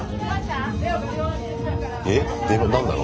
えっで何なの？